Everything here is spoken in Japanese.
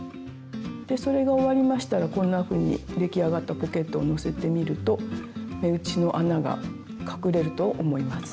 でそれが終わりましたらこんなふうに出来上がったポケットをのせてみると目打ちの穴が隠れると思います。